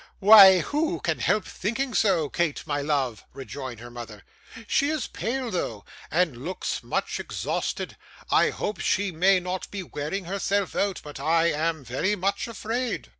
'Why, who can help thinking so, Kate, my love?' rejoined her mother. 'She is pale though, and looks much exhausted. I hope she may not be wearing herself out, but I am very much afraid.